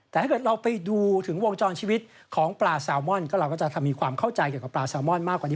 แต่ถ้าเกิดเราไปดูถึงวงจรชีวิตของปลาแซลมอนก็เราก็จะมีความเข้าใจเกี่ยวกับปลาแซลมอนมากกว่านี้